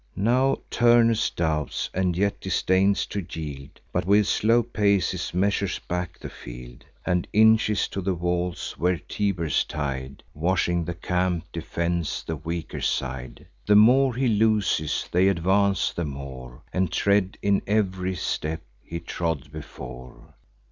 Now Turnus doubts, and yet disdains to yield, But with slow paces measures back the field, And inches to the walls, where Tiber's tide, Washing the camp, defends the weaker side. The more he loses, they advance the more, And tread in ev'ry step he trod before.